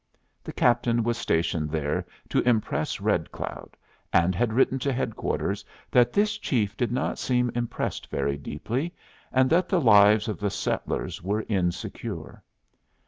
The captain was stationed there to impress Red Cloud, and had written to headquarters that this chief did not seem impressed very deeply, and that the lives of the settlers were insecure.